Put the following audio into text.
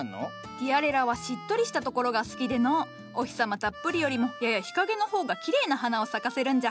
ティアレラはしっとりした所が好きでのうお日様たっぷりよりもやや日陰の方がきれいな花を咲かせるんじゃ。